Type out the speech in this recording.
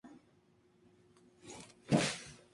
Está dirigida por Bill Condon con un guion de Josh Singer.